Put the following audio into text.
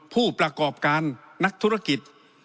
ผู้ประกอบการนักธุรกิจ